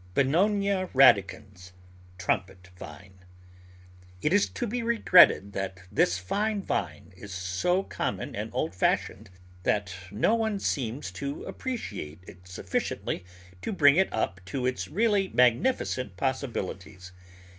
Bignonia Radicans (Trumpet Vine) IT is to be regretted that this fine vine is so com mon and old fashioned that no one seems to appreciate it sufficiently to bring it up to its really magnificent possibilities.